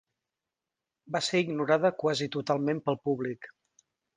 Va ser ignorada quasi totalment pel públic.